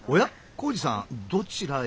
紘二さんどちらへ？